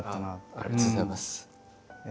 ありがとうございます。